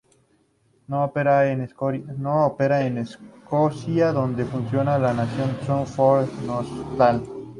No opera en Escocia, donde funciona el National Trust for Scotland.